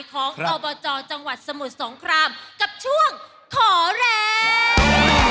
ของอบจจังหวัดสมุทรสงครามกับช่วงขอแรง